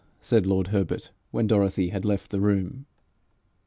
said lord Herbert when Dorothy had left the room.